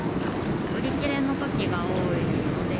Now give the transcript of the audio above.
売り切れのときが多いので。